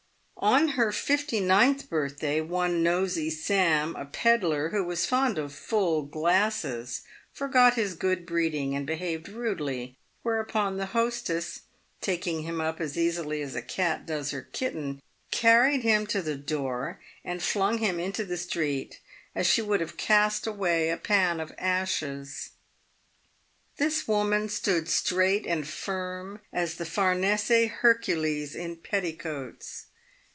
On her fifty ninth birthday, one Nosey Sam, a pedler, who was fond of full glasses, forgot his good breeding and behaved rudely, whereupon the hostess, taking him up as easily as a cat does her kitten, carried him to the door and flung him into the street as she would have cast away a pan of ashes. This woman stood straight and firm as the Farnese Hercules in petticoats.